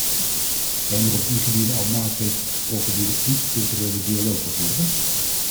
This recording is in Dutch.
Zijn er op die gebieden al maatregelen getroffen die de interculturele dialoog bevorderen?